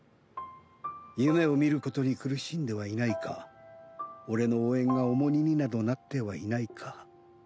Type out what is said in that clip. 夢を見ることに苦しんではいないか俺の応援が重荷になどなってはいないか。